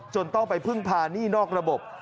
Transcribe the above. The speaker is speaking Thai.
ต้องไปพึ่งพาหนี้นอกระบบ